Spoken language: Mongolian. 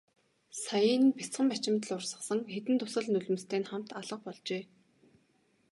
Саяын нь бяцхан бачимдал урсгасан хэдэн дусал нулимстай нь хамт алга болжээ.